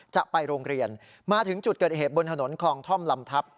จะไปโรงเรียนมาถึงจุดเกิดเหตุบนถนนคลองท่อมลำทัพ